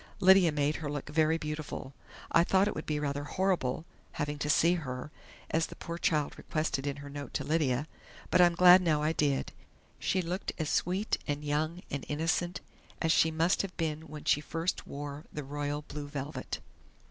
"Lydia made her look very beautiful.... I thought it would be rather horrible, having to see her, as the poor child requested in her note to Lydia, but I'm glad now I did. She looked as sweet and young and innocent as she must have been when she first wore the royal blue velvet."